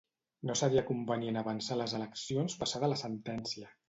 No seria convenient avançar les eleccions passada la sentència.